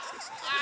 あ！